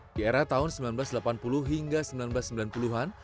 di era tahun seribu sembilan ratus delapan puluh hingga seribu sembilan ratus sembilan puluh an